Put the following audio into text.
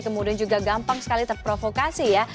kemudian juga gampang sekali terprovokasi ya